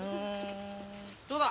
どうだ？